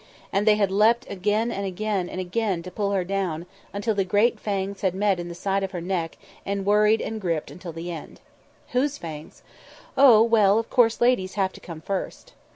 And they had leapt again and again to pull her down, until the great fangs had met in the side of her neck and worried and gripped until the end. Whose fangs? Oh! well, of course ladies have to come first.